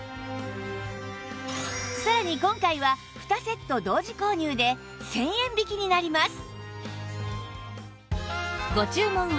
さらに今回は２セット同時購入で１０００円引きになります